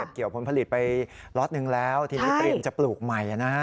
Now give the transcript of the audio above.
เกี่ยวผลผลิตไปล็อตหนึ่งแล้วทีนี้เตรียมจะปลูกใหม่